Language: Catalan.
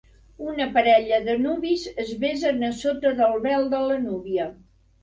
Una parella de nuvis es besen a sota del vel de la núvia.